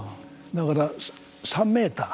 だから３メーター。